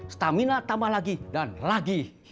stamina tambah lagi dan lagi